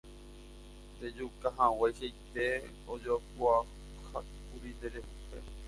Ndejukahag̃uaichaite ojapoukákuri nderehe.